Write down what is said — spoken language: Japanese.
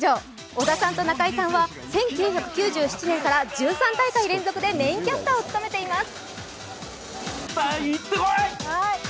織田さんと中井さんは１９９７年から１３大会連続でメインキャスターを務めています。